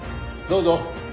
どうぞ。